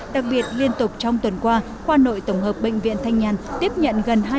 đặc biệt liên tục trong tuần qua khoa nội tổng hợp bệnh viện thanh nhàn tiếp nhận gần